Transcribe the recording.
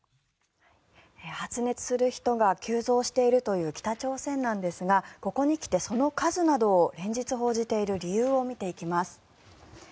発熱する人が急増しているという北朝鮮なんですがここに来てその数などを連日報じている理由を見ていきます。